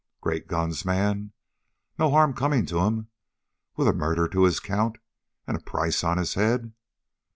"Great guns, man! No harm coming to him with a murder to his count and a price on his head?"